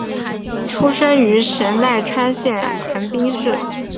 出身于神奈川县横滨市。